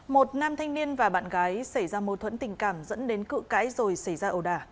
một nam thanh niên và bạn gái xảy ra mâu thuẫn tình cảm dẫn đến cự cãi rồi xảy ra ẩu đả